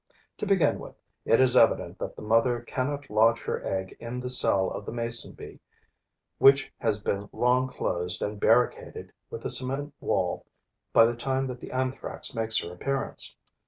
To begin with, it is evident that the mother cannot lodge her egg in the cell of the mason bee, which has been long closed and barricaded with a cement wall by the time that the Anthrax makes her appearance.